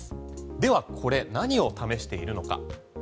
ではこれ、何を試しているのか。